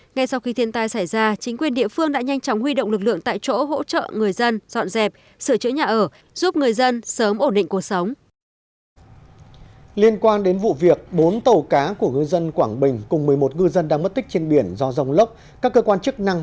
ngay sau khi thiên tai xảy ra chính quyền địa phương đã nhanh chóng huy động lực lượng tại chỗ hỗ trợ người dân dọn dẹp sửa chữa nhà ở giúp người dân sớm ổn định cuộc sống